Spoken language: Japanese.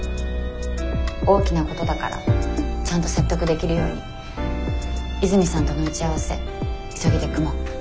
大きなことだからちゃんと説得できるように泉さんとの打ち合わせ急ぎで組もう。